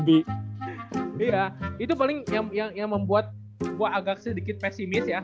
iya itu paling yang membuat gue agak sedikit pesimis ya